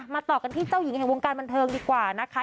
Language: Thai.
ต่อกันที่เจ้าหญิงแห่งวงการบันเทิงดีกว่านะคะ